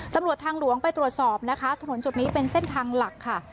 ตำรวจทางหลวงไปตรวจสอบนะคะถนนจุดนี้เป็นเส้นทางหลักค่ะ